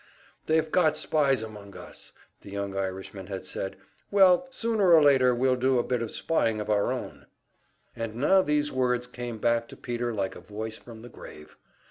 "They've got spies among us," the young Irishman had said. "Well, sooner or later we'll do a bit of spying of our own!" And now these words came back to Peter like a voice from the grave.